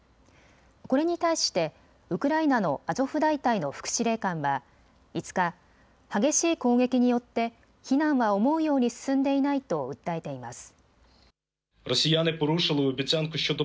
これに対してウクライナのアゾフ大隊の副司令官は５日、激しい攻撃によって避難は思うように進んでいないと訴えています。